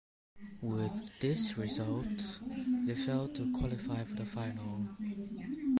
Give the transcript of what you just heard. With this result they failed to qualify for the final.